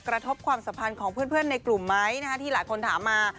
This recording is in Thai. กระทบความสัมพันธ์ของเพื่อนในกลุ่มไหมที่หลายคนถามมา